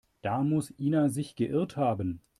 Da muss Ina sich geirrt haben.